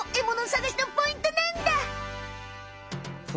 さがしのポイントなんだ！